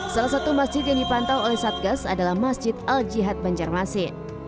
salah satu masjid yang dipantau oleh satgas adalah masjid al jihad banjarmasin